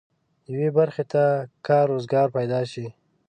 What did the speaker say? یوې برخې ته کار روزګار پيدا شي.